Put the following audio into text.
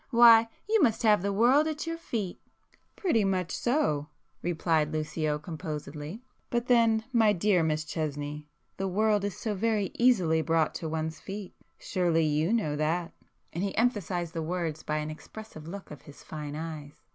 Why, you must have the world at your feet!" "Pretty much so,"—replied Lucio composedly—"But then, my dear Miss Chesney, the world is so very easily brought to one's feet. Surely you know that?" And he emphasized the words by an expressive look of his fine eyes.